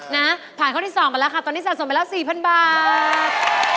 นะผ่านข้อที่๒ไปแล้วค่ะตอนนี้สะสมไปแล้ว๔๐๐๐บาท